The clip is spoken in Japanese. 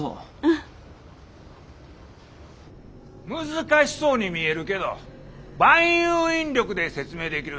難しそうに見えるけど万有引力で説明できるんや。